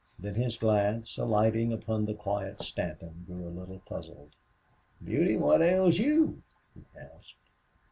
Then his glance, alighting upon the quiet Stanton, grew a little puzzled. "Beauty, what ails you?" he asked.